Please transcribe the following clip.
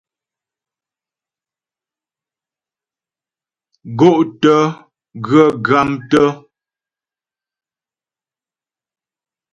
Gó'tə̂ ghə ghámtə́.